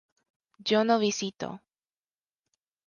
yo no visito